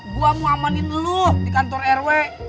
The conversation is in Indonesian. gue mau amanin lu di kantor rw